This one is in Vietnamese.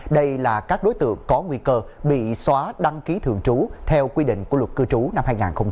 đây là các đối tượng có nguy cơ bị xóa đăng ký thường trú theo quy định của luật cư trú năm hai nghìn hai mươi